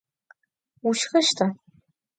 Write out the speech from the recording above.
Vuşşxeşta?